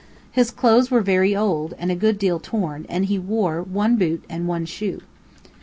His clothes were very old, and a good deal torn, and he wore one boot and one shoe.